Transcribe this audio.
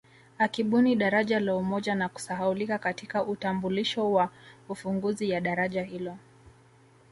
Akibuni daraja la Umoja na kusahaulika katika utambulisho wa ufunguzi ya daraja hilo